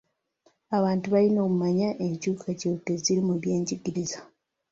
Abantu balina okumanya enkyukakyuka eziri mu byenjigiriza.